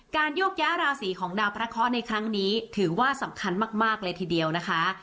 โยกย้าราศีของดาวพระเคาะในครั้งนี้ถือว่าสำคัญมากเลยทีเดียวนะคะ